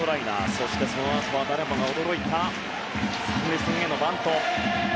そして、そのあとは誰もが驚いた３塁線へのバント。